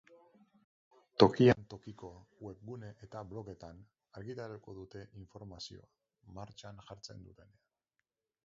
Tokian tokiko webgune eta blogetan argitaratuko dute informazioa, martxan jartzen dutenean.